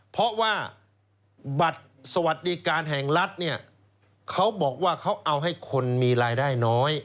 เพราะว่าบัตรสวัสดิการแห่งรัฐเนี่ยเขาบอกว่าเขาเอาให้คนมีรายได้น้อย